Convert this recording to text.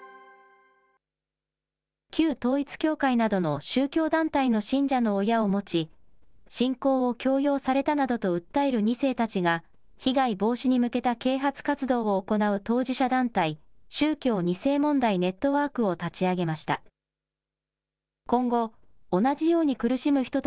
旧統一教会などの宗教団体の信者の親を持ち、信仰を強要されたなどと訴える２世たちが、被害防止に向けた啓発活動を行う当事者団体、宗教２世問題ネットワークを立ち上げました。